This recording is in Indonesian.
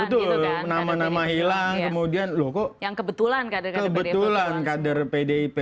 betul nama nama hilang kemudian loh kok kebetulan kader kader pdp